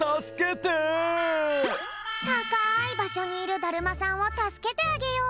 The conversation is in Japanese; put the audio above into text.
たかいばしょにいるだるまさんをたすけてあげよう！